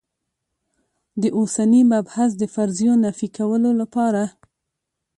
د اوسني مبحث د فرضیو نفي کولو لپاره.